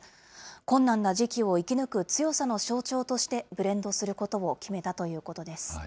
困難な時期を生き抜く強さの象徴として、ブレンドすることを決めたということです。